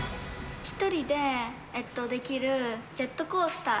１人でできるジェットコース